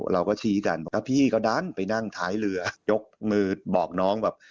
เราก็ชี้กันบอกว่าพี่ก็ดันไปนั่งท้ายเรือยกมือบอกน้องแบบ